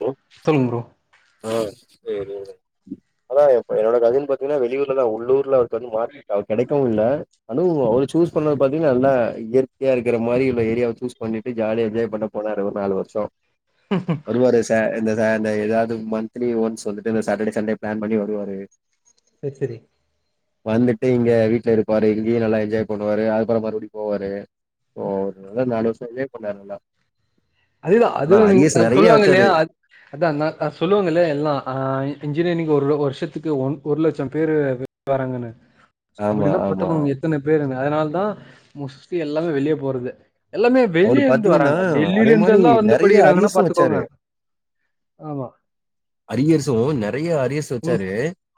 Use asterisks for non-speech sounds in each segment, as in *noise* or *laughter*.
*unintelligible* சொல்லுங்க ப்ரோ ஆஹ் *unintelligible* அதான் என்னோட கசின் பாத்திங்கன்னா வெளியூர்லதா உள்ளூர்ல *unintelligible* மார்க் கெடைக்கவு இல்ல அனுவ் ஓ அவுள சூஸ் பண்ணது பாத்தீங்க நன்ன இயற்கையா இருக்குற மாரி உள்ள ஏரியாவ சூஸ் பண்ணிட்டு ஜாலியாக என்ஜாய் பண்ண போனாரு ஒரு நாலு வருஷோ வருவார ச இந்த ச எதாவுது மந்த்லி ஒன்ஸ் ந்துட்டு சாட்டடே சண்டே ப்ளான் பண்ணி வருவாரு *unintelligible* செர் செரி வந்துட்டு இங்க வீட்டு்ல இருப்பாரு இங்கேயு நல்லா என்ஜாய் பண்ணுவாரு அதுப்புறம் மறுபடியு போவாரு ஓஹ் நல்லா நாலு வருஷ என்ஜாய் பண்ணார் நல்லா அதுதா ஆனா அதுல அரியர்ஸ் *unintelligible* நெறைய சொல்லுவாங்க இல்யா வச்சாரு அதா அந்தா கா சொல்லுவங்கல்லியா எல்லா ஹாய் இன்ஜினியரிங் ஒருவ வருஷத்துக்கு ஒன் ஒரு லட்சம் பேரு வராங்கண்ணே ஆமா அப்டின்னா ஆமா பாத்துகோங் எத்தன பேருனு அத்னால தா முஸ்த்தி எல்லாமே வெளிய போறதே எல்லாமே அவரு வெளியருந்து பாத்தீங்கன்னா வராங்க அதே டெல்லிலேந் மாரி தெல்லா வந்து நெறைய படிக்கிறாங்கன்னா அரியர்ஸு பாத்துக்கோங்க வச்சாரு ஆமா அரியர்ஸு நெறைய அரியர்ஸ் ம் வச்சாரு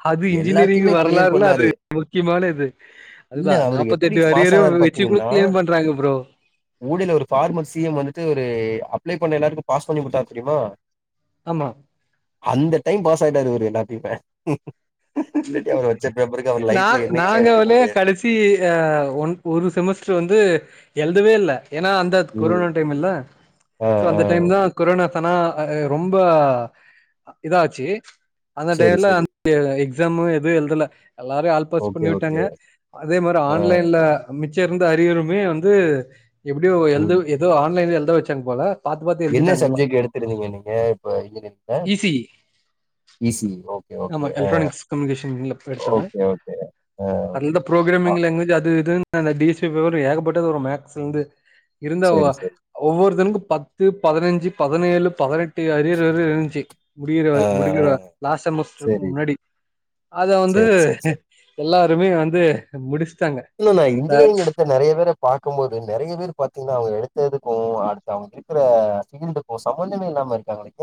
அது இன்ஜினியரிங் எல்லாத்தியுமே க்ளியர் வரலாறுல பண்ணாரு அது முக்கியமான இது இல்ல அதுதா அவரு எப்படி நாப்பத்தெட்டு பாஸ் அரியரு ஆனாரு வச்சு கூட பாத்தீங்கன்னா கிளைம் பண்றாங்க ப்ரோ ஊடல ஒரு ஃபார்மர் சி எம் வந்துட்டு ஒரு அப்ளை பண்ண எல்லாத்துக்கு பாஸ் பண்ணி குடுத்தார் தெரியுமா ஆமா அந்த டைம் பாஸ் ஆயிட்டாரு இவரு எல்லாத்தியுமே நா லைஃப்ல என்னைக்குமே எடுத்திருக்க நாங்கவ்ளே முடியாது. கடைசி ஆ ஒன் ஒரு செமஸ்டர் வந்து எழுதவேல்ல ஏனா அந்தக் ம். கொரோனா டைமில்ல ஆ, சோ ஆ. அந்த டைம் தா கொரோனா தனா அ எ ரொம்ப இதாச்சு அந்த சரி, டயம்ல சரி. அ எக்ஸாமு எதூ எழுதல எல்லாரரையூ ஆல்பாஸ் ஓகே, பண்ணியுட்டாங்க ஓகே. அதே மாரி ஆ. ஆன்லைன்ல அமித் சேர்ந்த அரியருமே வந்து எப்டியோ எழுது ம். ஏதோ ஆன்லைன்ல எல் த வச்சாங்க போல பாத்து பாத்து என்ன எழுதிட்டாங்க எல்லா சப்ஜெக்ட் எடுத்திருந்தீங்க நீங்க இப்ப இன்ஜினியரிங்ல easy E C E okay okay ஆமா எலக்ட்ரானிக்ஸ் கம்யூனிகேஷன் இல்லப் எடுத்தாங்க ஓகே, ஓகே. ஆ, அந்த ஆ. புரோகராமிங் லாங்குவேஜ் அது இதுன் அந்த டி எஸ் பி பவர் ஏகப்பட்டது வரு மேக்ஸுந்து இருந்த ஒவொ சரி, சரி. ஒவ்வொருத்தனுக் பத்து பதனஞ்சு பதனேழு பதனெட்டு அரியர்வர இருஞ்ச்சி முடியுறவ ஆ, ஆ. முடிகிற லாஸ்ட் செமஸ்ட்ரு சரி, முன்னாடி அத வந்து சரி, சரி, சரி. எல்லா அதே வந்து முடிச் இல்லல்ல இன்ஜினியரிங் எடுத்த நெறைய பேர பாக்கும்போது நெறைய பேர் பாத்தீங்ன்னா அவுங்க கோதுகூ அடுத்து அவுங்க இருக்ற ஃபீல்டுக்கூ சம்மந்தமே இல்லாமருக்காங்க நெனக்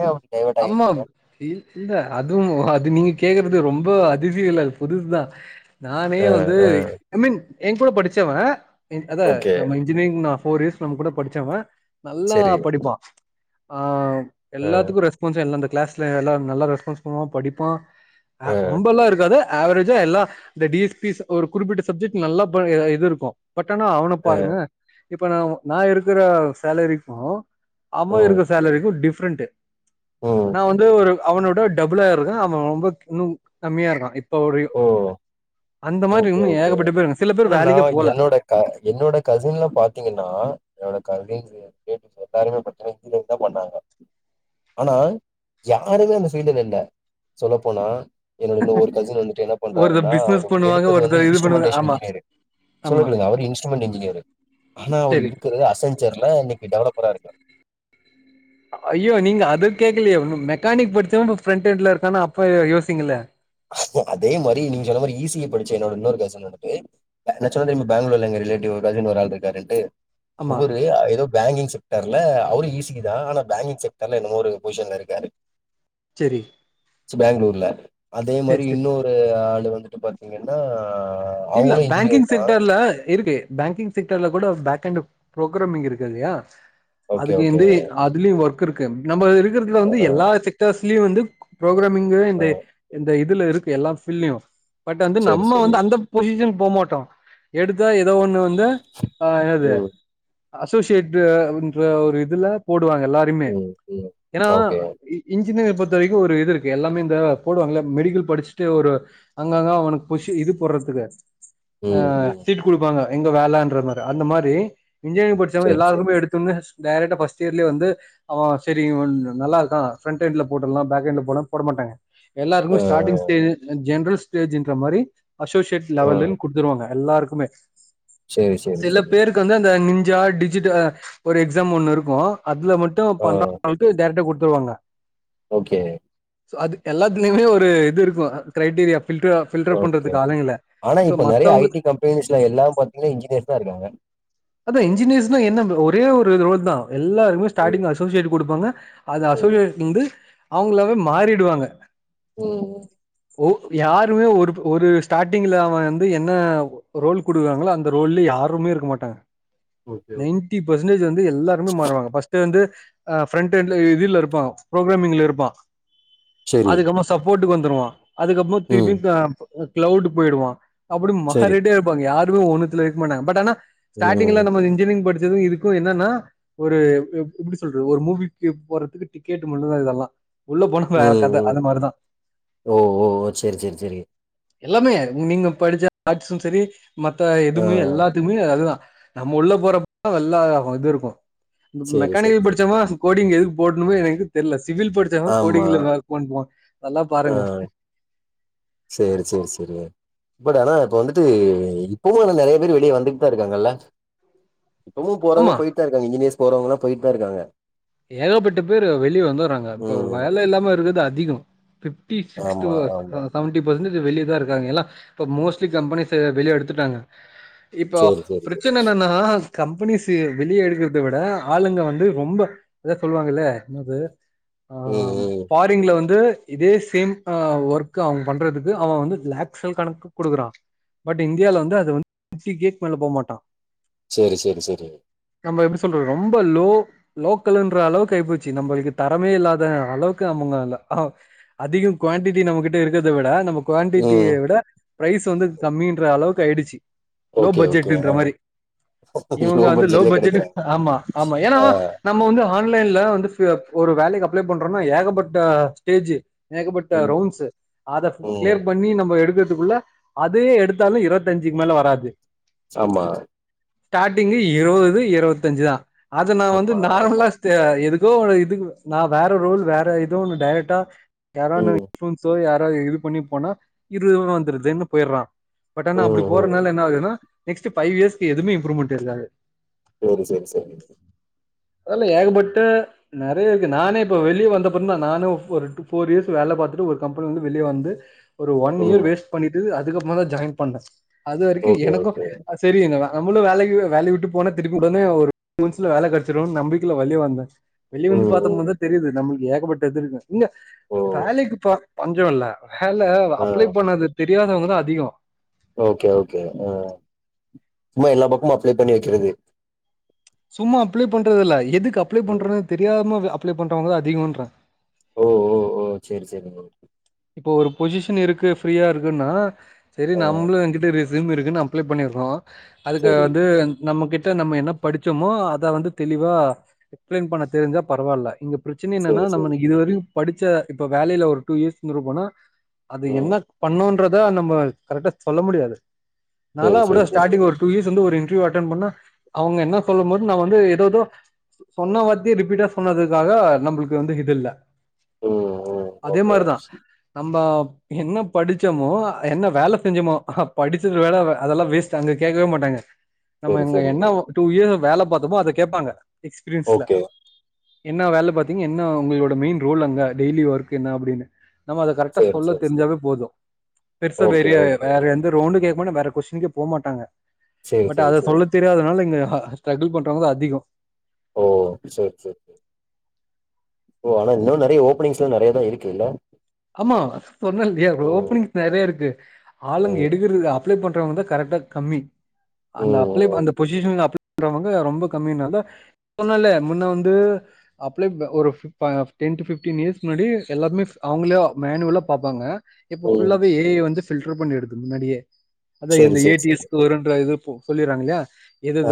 அம்மாம் இல் இல்ல அதுவூ அது நீ கேக்குறதே ரொம்ப அதிசயல்ல அது புதுசு தா நானே ஆ வந்து ஆ எம்மின் எங்கூட படிச்சவ ன் அத ஓகே நம்ம இன்ஜினியரிங்தா ஃபோர் இயர்ஸ் நம்ம கூட படிச்சவ நல்லா சரி படிப்பா ஆ ஆ எல்லாத்துக்கு ரெ எல்ல அந்த கிளஸ்ல எல்லா நல்ல ரெஸ்பான்ஸ் பண்ணுவா படிப்பா அ ஆ ரொம்பல்லா இருக்காது ஆவ்ரேஜா எல்லா இந்த டிஎஸ்பிஸ் ஒரு குறிப்பிட்ட சப்ஜெக்ட் நல்லா ப இது இருக்கு பட் அனா அவுன ஆ பாருங்க இப்ப நாவு நா இருக்குற சேலரிக்கு அவ ம் இருக்க சேலரிக்கு டிஃப் ஃப்ரெண்ட்டு ம் நா வந்து ஒரு அவுனோட டபுளா இருக்க அவ ரொம்ப இன்னு கம்மியா இருக்கா இத் தோடியு ஓ ஓகே ஓகே அனா நா போல என்னோட க என்னோட கசின்ல பாத்தீங்கன்னா என்னோட காருகைன்ஸ்ரியா கேட்டுச்சு பாருங்க பச்சனை இங்கேந்து தா பன்றாங்க ஆனா யாருமே அந்த பீல்டுல இல்ல சொல்ல போனா என்னோட இந்த ஒரு கசின் வந்துட்டு என்ன ஒருத்தர் பண்றாருன்னா ஒரு பிசினஸ் பண்ணுவாங்க எடுத்தது வந்து ஒருத்தர் இது பண்ணுவாங்க இன்ஸ்ட்டுமன்ட்டேஷன் ஆமா இன்ஜினேரு ஆமா சுடர்லே அவுரு இன்ஸ்டுமண்ட் இன்ஜினியரு ஆனா அவுரு சரி இருக்குறது அசந்ச்சர்ல இன்னக்கி டெவலப் போறா இருக்கா ஐயோ நீங்க அது கேக்கலையே ஒன்னு மெக்கானிக் படிச்சவ இப்ப ஃபிரண்ட்எட்ல இருக்கானா அப்ப யோ யோசிக்கங்கள்ல அதே மாரி நீங்க சொன்ன மாரி இ சி இ படிச்ச என்னோட இன்னொரு கசின் வந்துட்டு நா சொன்ன தெரிமா பேங்ளூர்ல எங்க ரிலேட்டிவ் ரஜன் ஒரு ஆள் இருக்காருன்ட்டு ஆமா அவரு எதோ பேங்கிங் செக்டார் ல அவரு இ சி இ தா ஆனா பேங்கிங் செக்டார்ல என்னமோ ஒரு பொசிஷன்ல இருக்காரு செரி பேங்ளூர்ல அதே மாரி இன்னொரு ஆள் வந்துட்டு பாத் திங்கன்டா இல்ல பேங்கிங் செக்டார்ல இருக்கு பேங்கிங் செக்டார்ல கூட பேக் எண்டு ப்ரோக்ராமிங் இருக்கு இல்லயா ஓகே, அதுக்கு ஓகே. வந்து அதுலயு ஒர்க் *unintelligible* நம்ம இருக்கு *unintelligible* ஆ, வந்து எல்லா செக்டர்ஸ் *unintelligible* லயே வந்து புரோக்ராமிங்க ஆ. இந்த இந்த இது இதுல இருக்கு எல்லா ஃபீல்டுளையும் பட் வந்து சரி, நம்ம சரி. வந்து அந்த டிசன் போ மாட்டோ எடுத்தா ஏதோ ஒண்ணு வந் த ஆ என்னது ம், அசோசியேட் டு என்ற ஒரு இதுல போட் டு வாங்க எல்லாரியுமே ம், ம். ஏன்னா ஓகே. இ் இஞ் இன்ஜினியர் பொறுத்த வரைக்கு ஒரு இது இருக்கு எல்லாமே இந்த போடுவாங்கல்ல மெடிக்கல் படிச்சுட்டு ஒரு அங்கங்கே அவனுக்கு கொஷ்ஸி இது போடறதுக்கு ஆ ம், ம். சீட்டு் குடுப்பாங்க எங்க வேலேன்ற மாரி அந்த மாரி இன்ஜினியரிங் படிச்சவங்க சரி, சரி. எல்லாருமே எடுத்தோன்னே எச் டைரக்டா ஃபஸ்ட்டேரிலியே வந்து அவ செரி இவ ந ந நல்லா இருக்கா ஃப்ரண்ட் எண்ட்ல போட்டுரலா பேக் எண்ட்ல போனா போட மாட்டாங்க ஆ, எல்லாருக்குமே ஸ்டார்டிங் ஸ்டேஜு ஜெ ஜென்ரல் ஸ்டேஜ் என்ற மாரி அசோஸ் ஆ, ஆ. லெவலுன் குடுத்துருவாங்க எல்லாருக்குமே சரி, சரி, சில சரி. பேருக்கு வந்து அந்த நின் ஜ டிஜிட்ட ஒரு எக்ஸாம் ஒண்ணு இருக்கு அதுல மட்டு ஆ, பண்ற ங்களுக்கு டைரக்டா குட் துருவாங்க ஓகே சோ அது எல்லாத்துலயுமே ஒரு இது இருக்கு ஆ கிரைடீரியா ஃபில்டா ஃபில்டர் ஓகே. பண்றதுக்கு ஆளுங்கில்ல ஆனா இப்ப நெறைய ஜடி கம்பெனிஸ்ல எல்லா பாத்தீங்ன இன்ஜினியர் தா இருக்காங்க அதா இன்ஜினியர்ஸ்னா என்ன ப ஒரே ஒரு ரோல் தா எல்லாருமே ம், ஸ்டார்ட்டிங் அசோசியேட் குடுப்பாங்க அது ம். அசோசியேஸ் இந்து அவங்களாவே மாறிடுவாங்க ம் ம் ஓ அப்டி யாருமே ஒரு ஒரு ஸ்டாட்டிங்கில அவன் வந்து என்ன ரோல் கொடுறாங்ளோ அந்த ரோல்ல யாருமே இருக்க மாட்டாங்க ஓகே, ஓகே. நைன்டி பர்சன்டேஜ் வந்து எல்லாருமே மாறுவாங்க பஸ்டு வந்து ஆ பிரண்ட் எண்ட் இதில் இருப்பா புரோக்ராமிங்ல இருப்பா சரி. அதுகம்ம சப்போட்டுக்கு வந் துருவா *unintelligible* அதுக்கப்மோ ம். திருப்பியு *unintelligible* அ கிளவுட் போயிடுவா அப்டி சரி. மகாரெட்டியா இருப்பாங்க யார் ஒன்னுத்துல இருக்க மாட்டாங்க பட் ஆனா ம். ஸ்டார்டிங்கல நம்ம இன்ஜீரிங் படுச் இதுவு இருக்கூ என்னன்னா ஒரு எப்டி சொல்றது ஒரு மூவிக்கு போறதுக்கு டிக்கெட் மட்டும்தான் இதெல்லா உள்ள போனா வேற ம் கத ம் அது மாரிதா ஓ ஓ ஓ சேரி சேரி சேரி எல்லாமே நீங்க படிச்ச ஆட்ஷும் செரி மத்த ஆ. எதுமே எல்லாத்துக்குமே அதுதான் நம்ம உள்ள போறப்ப வெல்லா இது இருக்கூ இந்த சரி, சரி, மெக்கானிக்கல் சரி. படிச்சோமா கோடிங் எதுக் போட்ணுமே எனக்கு தெர்ல சிவில் படிச்சவே கோடிங்ல ஒர்க் பண்ணுவான் ஆஹ் சேரி சேரி சேரி இப்டி ஆனா இப்ப வந்துட்டு இப்பவும் நெறைய பேர் வெளிய வந்துட்டு தான் இருக்காங்கல்ல இப்பமும் ஆமா போறவங்க போயிட் தான் இருக்காங்க இன்ஜினியர்ஸ் போறவங்கலா போயிட்டு தான் இருக்காங்க ஏகப்பட்ட பேர் வெளிய வந்தறாங்க இப்ப ம். வேல இல்லாம இருக்கது அதிகம் பிப்டி சிக்ஸ்து ஆமா, ஆமா. செவன்டி பெர்சன்ட்டேஜ் வெளியதான் இருக்காங்கல்ல இப்ப மோஸ்ட்லி கம்பெனிஸ் வெளிய எடுத்துட்டாங்க இப்போ சரி, சரி, சரி. பிரச்சன என்னா கம்பெனிஸ் வெளியே எடுக்கறத விட ஆளுங்க வந்து ரொம்ப அத சொல்லுவாங்கல்ல என்னது ம், ஆஹ ம். ஃபாரின்ல வந்து இதே சேம் ஒர்க் அவுங்க பண்றதுக்கு அவன் லேக்ஸ் வந்து ல் கணக்கு கொடுக்குறான் பட் இந்தியால வந்து அது வந்து ஃபிப்டி கேக்கு மேல போக மாட்டான் சேரி சேரி சேரி நம்ம எப்டி சொல்றது ரொம்ப லோ லோக் வேணுன்ற அளவுக்கு ஆயிப்போச்சு நம்மளுக்கு தரமே இல்லாத அளவுக்கு அதிகம் குவாண்டிட்டி நம்மகிட்ட இருக்கிறத விட நம ம். குவான்டிட்டிய விட பிரைஸ் வந்து கம்மின்ற அளவுக்கு ஆயிடுச்சு லோ ஓகே, ஓகே. பட்ஜெட்ன்ற ஆ. மாரி இவங்க வந்து லோ பட்ஜெட்லயே பட்ஜெட் கெடைக்கிறே ஆமா ஆமா ஏனா ஆ இந்த ஆன்லைன்ல வந்துட்டு ஒரு வேலைக்கு அப்ளை பண்றோம்னா ஏகப்பட்ட ஸ்டேஜ் ஏகப்பட்ட ம் ரவுண்ட்ஸு அத க் ம் க்ளியர் பண்ணி நம்ம எடுக்கிற் து குள்ள அதே எடுத்தாலு இருவத்தஞ்சுக் மேல வராது ஆமா ஸ்டாட்டிங்கி இருவது இருவத்தஞ்சு தா அத ஆமா ஆமா நார்மலா *unintelligible* எது எதோ ஒரு இதுக்கு நா வேற ரோல் வேற எதோ ஒண்ணு டேரெக்ட்டா யாரா ம் *unintelligible* *unintelligible* இது பண்ணி போனா இது வந்துருதுன்னு போயிறா பட் ஆனா அப்டி ம் ம் போறனால என்ன ஆதுன்னா நெக்ஸ்ட்டு ஃபைவ் யேர்ஸ்கு எதுமே இம்ப்ரூவ்மென்ட் இருக்காது சேரி சேரி சேரி *unintelligible* அதெல்லா ஏகப்பட்ட நெறைய இருக்கு நானே இப்ப வெளிய வந்தப்றந்தா நானே ஒரு டூ ஃபோர் யேஸ் வேல பாத்துட்டு ஒரு கம்பெனில வந்து வெளிய வந்து ஒரு ஒன் ம் யேர் வேஸ்ட் பண்ணிட்டு அத் அதுக்கப்மாதா ஜாய்ன் பண்ணே அது வரிக்கு ஓகே எனக்கு ஓகே அ செரி *unintelligible* நம்மளு வேலை வேலை விட்டு போனா திருப்பி உடனே ஒரு *unintelligible* வேலை கெ டச்சுரு நம்பிக்கில வெளிய வந்த வெளிய வந்து ம் ம் பாத்தமோதுதா தெரியுது நம்மளுக் ஏகப்பட்ட இது இருக்கு ங்க ஓ வேலைக்கு போ பஞ்சோ இல்ல ஹல்ல ஆ அப்ளை பண்ணது தெரியாதவங் க அதிகோ ஓகே ஓகே ஆ சும்மா எல்லா பக்கமு அப்ளே பண்ணி வெக்கிறது ச்ச் சும்மா அப்ளே பண்றதில்ல எதுக் கு அப்ளை ம் பண்றதுன் தெரியாம *unintelligible* அப்ளே பண்றவங்கதா அதிகோன்ற ஓ ஓ ஓ சேரி சேரி ஓகே இப்போ ஒரு பொசிஷன் இருக்கு ஃப்ரீயா இருக்குன்னா செரி ஆ நம்ளு என்கிட்ட *unintelligible* *unintelligible* இருக்குன்னு அப்ளே பண்ணிர்றோ அதுக்கு சேரி வந்து நம்ம கிட் *unintelligible* நம்ம என்ன படிச்சமோ அத வந்து தெளிவா எக்ஸ்ப்ளைன் பண்ண தெரிஞ்சா பரவால்ல இங்க ப்ரச்சின என்னன்னா சேரி சேரி நம்மன இதுவரியு படிச்ச இப்ப வேலயில ஒரு டூ யேஸ் ருப்பனா அது ம் என்ன பண்ணு றதா நம்ம கரெக்டா சொல்ல முடியாது நாலா சேரி அப்டி சேரி தான் சேரி ஸ்டார்டிங் ஒரு டூ இயர்ஸ் வந்து ஒரு ன்டர்வுயூ அட்டன் பண்ணா அவங்க என்ன சொல்லும் போது நான் வந்து ஏததோ சொன்ன வார்த்தை ரிப்பீட்டா சொன்னதுக்காக நம்மளுக்கு வந்து இது இல்ல ம் ம் அதே ஓகே மாரிதான் நம்ம என்ன படிச்சமோ என்ன வேலை செஞ்சோமோ படிச்சது வேலை அதெல்லாம் வேஸ்ட் அங்க கேட்கவே மாட்டாங்க நம்ம சேரி எங்க சேரி என்னவோ டூ இய வேல பார்த்தோப அத கேப்பாங்க எக்ஸ்பிரியன்ஸ்ல ஓகே என்னா வேல்ல பாத்தீங்க என்னா உங்களோட மெயின் ரோல் அங்க டெய்லி ஒர்க் என்னா அப்புடின்னு நம்ம அத கரெக்டா சேரி சொல்ல சேரி சேரி தெரிஞ்சாவே போதும் பெர்சா ஓகே வேரிய ஓகே வேற எந்த ரவுண்டும் கே *unintelligible* வேற கொட்ஷினுக்கே போ மாட்டாங்க சேரி பட் சேரி அத சேரி சொல்ல தெரியாதனால இங்க ஹ ஸ்ட்ரகுள் பண்றவுங் தா அதிகொம் ஓ சேர் சேர் ஓ ஆனா இன்னும் நறைய ஓபனி்ஸ்லாம் நறைய தான் இருக்கு இல்ல ஆமா சொன்னேன் இல்லியா ம், ஓபனிங்ஸ் நெறையருக்கு ஆளுங் ம், எடுக்குறது அப் அப்ளை பண்றவங்க தான் கரெக்டா கம்மி அந்த அப்ளேப ம், அந்த பொசிஷன் ல அப்ளே ங்க வந்து ரொம்ப கம்மினால ஒண்னுயில்ல முன்ன வந்து அப்ளேப்க ஒரு பிப் ப டென் டு பிஃப்டீன் இயர்ஸ்கு முன்னாடி எல்லார்மே அவுங்களே மேனுவலா பாப்பாங்க இப்ப ம், ம். புல்லாவே ஏஐ வந்து பில்டர் பண்ணி எடுத்து முன்னாடியே அதான் சரி, இந்த சரி, சரி. ஏடிஎஸ்கு வருன்ற இது ப்போ சொல்லிறாங்கல்யா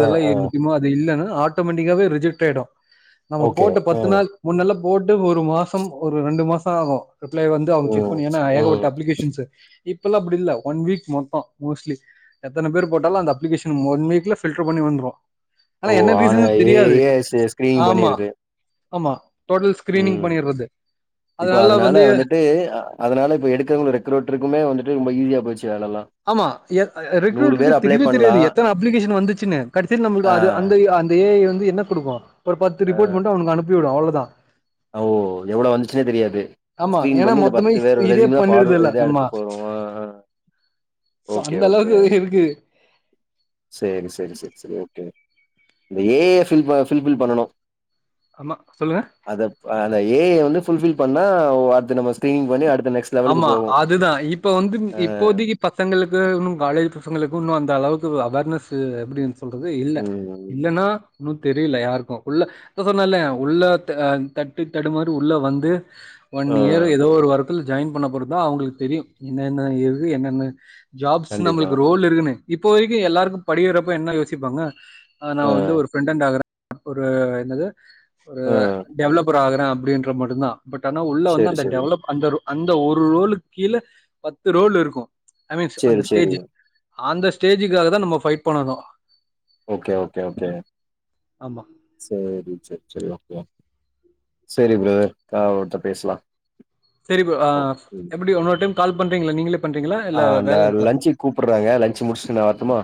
ஆ, எல்லாம் எ ஆ. முக்கியமோ அது இல்லனா ஆட்டோமேட்டிக்காவே ரிஜெக்ட் ஆயிடும் நம்ம ஓகே. போட்டு ஆ, பத்து நாள் முன்னல்ல போட்டு ஒரு மாசம் ஒரு ரெண்டு மாசொம் ஆகு ரிப்ளை வந்து அவுங்க ம், செக்பண்ணி ஏன்னா ஏகப்பட்ட ம். அப்ளிகேஷன்ஸு இப்பலாம் அப்டி இல்ல ஒன் வீக் மொத்தம் மோஸ்ட்லி எத்தன பேர் போட்டாலும் அந்த அப்ளிகேஷன் ஒன் வீக்ல ஃபில்டர் பண்ணி வந்ரு ஆனா ஓ! என்ன ரீசன்னு தெரியாது ஏஐயே ஸ் ஸ்கிரீனிங் ஆமா பண்ணிருது. ஆமா டோட்டல் ஸ்கிரீனிங் பண்ணிர்றது அதனால வேல வந்து வந்துட்டு அதுனால இப்ப எடுக்குறவுங் ரெக்ரோட்டருக்குமே வந்துட்டு ரொம்ப ஈசியா போச்சு ஆமா எ ரெக்ரூட்ருக்கு பேர் அப்ளை தெரிவே தெரியாது பண்ணலாம். எத்தன அப்ளிகேஷன் வந்துச்சுன்னு கட்சில நம்மளுக்கு ஆ, அது அந்த அந்த ஏ ஐ வந்து என்ன குடுக்கு ஒரு பத்து ஆ. ரிப்போட் மட்டு அவனுக்கு அனுப்பிவிடு அவ்ளோ தா ஓ எவ்ளோ வந்துச்சுன்னே தெரியாது ஆமா ஸ்கிரீன் ஏன்னா பண்ணி இந்த மொத்தமே பத்து பேர் இதே ரெசும்தா பார்வர்டு பண்ணிடுதுல்ல இத எடுத்து ஆமா போறோ சோ ஓகே அந்த ஓகே அளவுக்கு இருக்கு சேரி சேரி சேரி சேரி இந்ந ஏ ஐய ஃபில் ஃபில்பில் பண்ணனு ஆமா சொல்லுங்க அத அந்த ஏ ஐ வந்து ஃபுல்பில் பண்ணா அடுத்த நம்ம ஸ்கிரீன் பண்ணி அடுத் ஆமா அதுதா இப்ப வந்து அ இப்போதைக்கி பசங்களுக்கு இன்னும் காலேஜ் பசங்களுக்கு இன்னு அந்த அளவுக்கு அவர்னஸ்சு எப்புடினு சொல்றது இல்ல ம் இல்லன்னா நூத் தெரியல யாருக்கு உள்ள சொன்னல உள்ள த தட்டு தடுமாரி உள்ள வந்து ஒன் ஆ இயர் எதோ ஒரு வாரத்தில் ஜாயின் பண்ண போறதுதா அவுங்களுக்கு தெரியும் என்னென்ன இரு என்னென்ன ஜாப்ஸ் கண்டிப்பா நம்மளுக்கு ரோல் இருக்குனு இப்போ வரைக்கும் எல்லாருக்கும் படிக்கிறப்ப என்ன யோசிப்பாங்க ஆ நா வந்து ஒரு ஃப்ரெண்டன்டா ஆகறே ஒரு என்னது ஒரு ஆ டெவலப்பர் ஆகுறே அப் அப்டின்ற மட்டுந்தா பட் ஆனா உள்ள வந்து சேரி அந்த சேரி டெவலப் அந்த ரோ அந்த ஒரு ரோலுக் கீழ பத்து ரோல் இருக்கும் ஐ மீன்ஸ் சேரி அந்த சேரி ஸ்டேஜ் அந்த ஸ்டேஜுக்காக தா நம்ம ஃபைட் பண்ணணு ஓகே ஓகே ஓகே ஆமா சேரி சேரி சேரி ஒ செரி ஃப்ரதர் அவர்ட்ட பேசலா சரி ப்ரோ அ ஓ எப்புடி ஒன்னொரு டைம் கால் பண்றீங்களா நீங்களே பண்றீங்களா அ இல்ல அந்த வேல இருக்கா லன்ஞ்சுக்கு கூப்புர்றாங்க லன்ஞ்சு முடிச்சுட்டு நா வரட்டுமா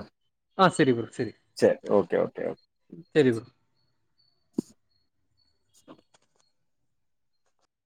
ஆ சரி ப்ரோ சரி செரி ஓகே ஓகே ஓக் சரி ப்ரோ